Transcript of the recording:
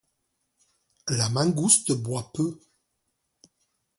La mangouste boit peu.